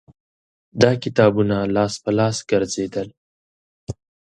دا کتابونه لاس په لاس ګرځېدل